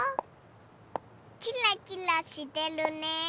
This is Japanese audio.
キラキラしてるね。